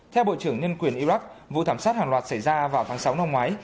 theo bộ trưởng nhân quyền iraq vụ thảm sát hàng loạt xảy ra vào tháng sáu năm ngoái